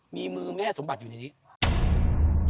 มีมือแม่สมบัติอยู่ในนี้